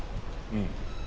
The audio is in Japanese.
うん。